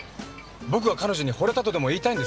僕が彼女に惚れたとでも言いたいんですか？